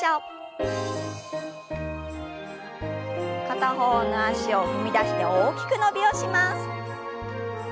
片方の脚を踏み出して大きく伸びをします。